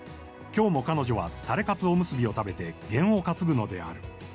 今日も彼女はタレかつおむすびを食べてげんを担ぐのである。